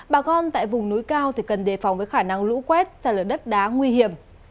bà con tại vùng núi cao cần đề phòng với khả năng lũ quét ra lửa đất đá nguy hiểm